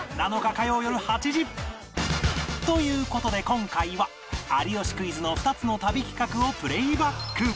という事で今回は『有吉クイズ』の２つの旅企画をプレイバック